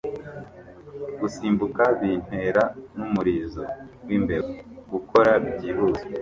Gusimbuka bintera (n'umurizo wimbeba) gukora Byihuse!